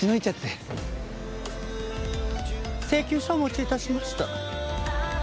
請求書お持ち致しました。